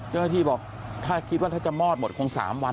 คุณพี่บอกถ้าคิดว่าจะมอดหมดคง๓วัน